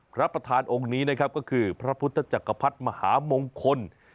พระประธานองค์นี้นะครับก็คือพระพุทธจักรพรรดิมหามงคล